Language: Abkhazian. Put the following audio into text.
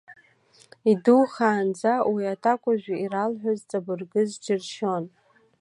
Идухаанӡа уи аҭакәажә иралҳәаз ҵабыргыз џьыршьон.